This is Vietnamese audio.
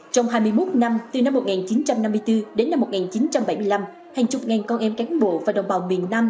trong hai mươi một năm từ năm một nghìn chín trăm năm mươi bốn đến năm một nghìn chín trăm bảy mươi năm hàng chục ngàn con em cán bộ và đồng bào miền nam